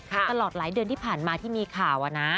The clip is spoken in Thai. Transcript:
ตลอดหลายเดือนที่ผ่านมาที่มีข่าวนะ